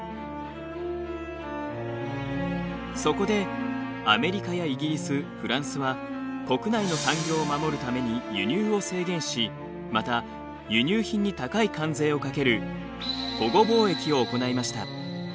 そこでアメリカやイギリスフランスは国内の産業を守るために輸入を制限しまた輸入品に高い関税をかける保護貿易を行いました。